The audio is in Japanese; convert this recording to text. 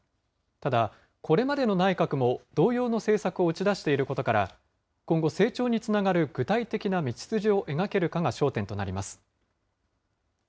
ただ、これまでの内閣も同様の政策を打ち出していることから、今後、成長につながる具体的な道筋を描けるかが焦点となります。